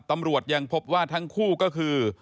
ตำรวจยังพบว่าทั้งคู่ก็คือ